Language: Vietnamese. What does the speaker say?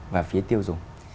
và phía tiêu dùng